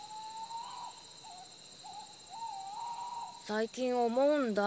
最近思うんだ。